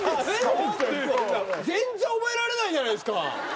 全然覚えられないじゃないすか。